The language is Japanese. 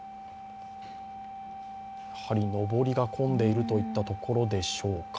やはり、上りが混んでいるといったところでしょうか。